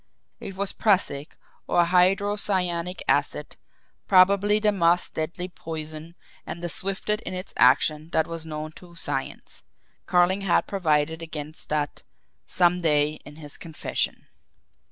It was prussic, or hydrocyanic acid, probably the most deadly poison and the swiftest in its action that was known to science Carling had provided against that "some day" in his confession!